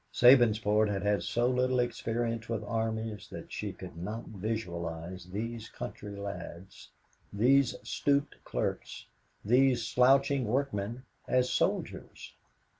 Sabinsport had had so little experience with armies that she could not visualize these country lads, these stooped clerks, these slouching workmen, as soldiers.